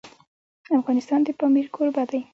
افغانستان د پامیر کوربه دی.